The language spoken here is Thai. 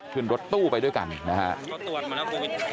ขึ้นรถตู้ไปด้วยกันนะฮะ